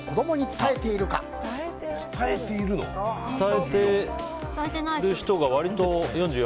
伝えている人が割と。